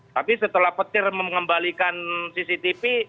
tapi setelah petir mengembalikan cctv